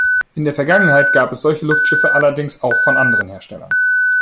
In der Vergangenheit gab es solche Luftschiffe allerdings auch von anderen Herstellern.